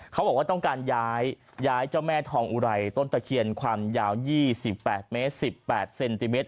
เขาบอกว่าต้องการย้ายเจ้าแม่ทองอุไรต้นตะเคียนความยาว๒๘เมตร๑๘เซนติเมตร